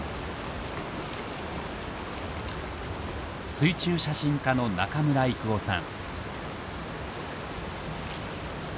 水中写真家の中村征夫さん。